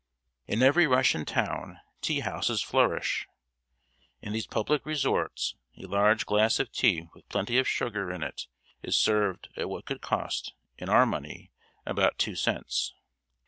In every Russian town tea houses flourish. In these public resorts a large glass of tea with plenty of sugar in it is served at what would cost, in our money, about two cents.